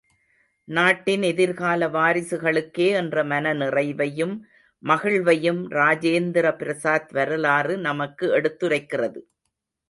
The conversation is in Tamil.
நாட்டின் எதிர்கால வாரிசுகளுக்கே என்ற மனநிறைவையும் மகிழ்வையும் ராஜேந்திர பிரசாத் வரலாறு நமக்கு எடுத்துரைக்கிறது.